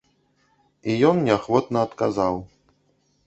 І ён неахвотна адказаў.